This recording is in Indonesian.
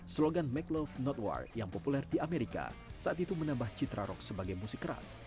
slogan mclove not war yang populer di amerika saat itu menambah citra rock sebagai musik keras